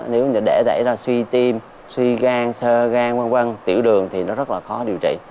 nếu để ra suy tim suy gan xơ gan vân vân tiểu đường thì nó rất là khó điều trị